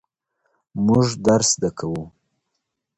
موږ درس زده کوو.